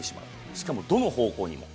しかも、どの方向にも。